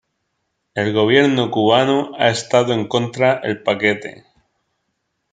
El Gobierno cubano ha estado en contra el Paquete.